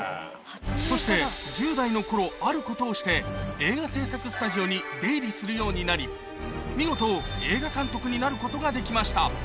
そして１０代の頃あることをして映画製作スタジオに出入りするようになり見事映画監督になることができました